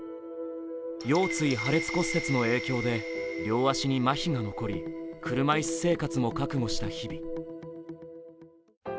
腰椎破裂骨折の影響で両足にまひが残り、車いす生活も覚悟した日々。